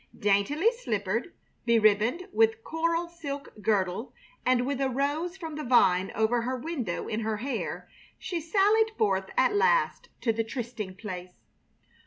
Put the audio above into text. Daintily slippered, beribboned with coral silk girdle, and with a rose from the vine over her window in her hair, she sallied forth at last to the trysting place.